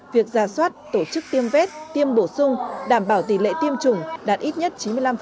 việc ra soát tổ chức tiêm vết tiêm bổ sung đảm bảo tỷ lệ tiêm chủng đạt ít nhất chín mươi năm